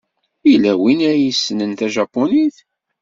Yella win ay yessnen tajapunit?